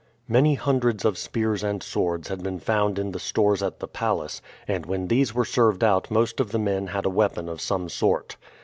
Many hundreds of spears and swords had been found in the stores at the palace, and when these were served out most of the men had a weapon of some sort.